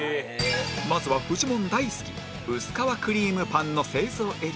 まずはフジモン大好き薄皮クリームパンの製造エリアへ